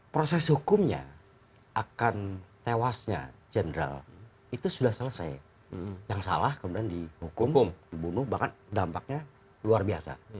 proses hukumnya akan tewasnya jenderal itu sudah selesai yang salah kemudian dihukum dibunuh bahkan dampaknya luar biasa